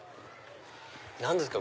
何ですか？